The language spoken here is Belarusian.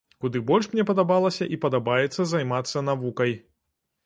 Куды больш мне падабалася і падабаецца займацца навукай.